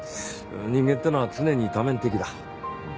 人間っていうのは常に多面的だ。